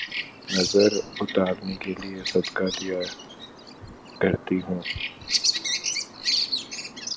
نظر اتارنے کیلئے صدقہ دیا کرتی ہوں